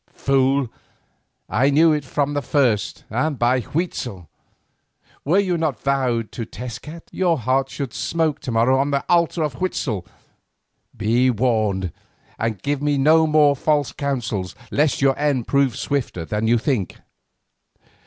Fool, I knew it from the first, and by Huitzel! were you not vowed to Tezcat, your heart should smoke to morrow on the altar of Huitzel. Be warned, and give me no more false counsels lest your end prove swifter than you think.